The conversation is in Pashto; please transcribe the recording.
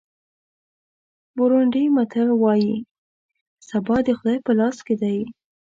بورونډي متل وایي سبا د خدای په لاس کې دی.